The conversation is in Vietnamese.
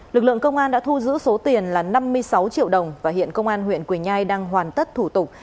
lực lượng công an đã thu giữ số tiền là năm mươi sáu triệu đồng và hiện công an huyện quỳnh nhai đang hoàn tất thủ tục